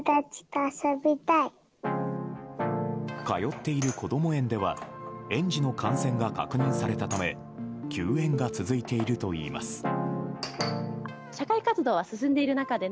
通っているこども園では園児の感染が確認されたため休園が続いているといいます。